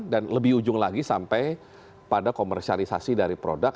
dan lebih ujung lagi sampai pada komersialisasi dari produk